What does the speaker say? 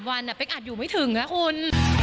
วันเป๊กอาจอยู่ไม่ถึงนะคุณ